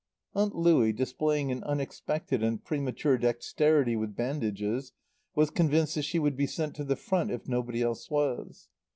Aunt Louie, displaying an unexpected and premature dexterity with bandages, was convinced that she would be sent to the Front if nobody else was.